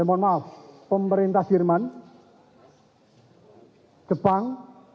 mohon maaf pemerintah jerman jepang